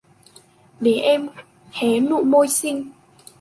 Để em hé nụ môi xinh